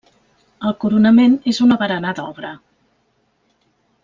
El coronament és una barana d'obra.